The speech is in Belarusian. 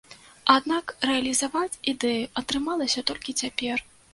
Аднак рэалізаваць ідэю атрымалася толькі цяпер.